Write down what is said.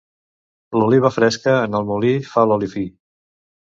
L'oliva fresca en el molí fa l'oli fi.